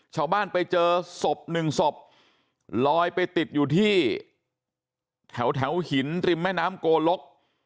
ชาวบ้านไปเจอศพหนึ่งศพลอยไปติดอยู่ที่แถวหินริมแม่น้ำโกลก